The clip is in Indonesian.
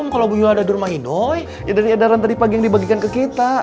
kalau bu yoha ada di rumah indoi ya dari edaran tadi pagi yang dibagikan ke kita